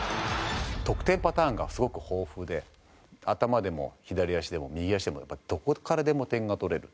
得点パターンがすごく豊富で頭でも左足でも右足でもどこからでも点が取れる。